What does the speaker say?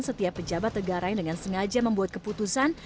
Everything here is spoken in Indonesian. setiap pejabat negara yang dengan sengaja membuat keputusan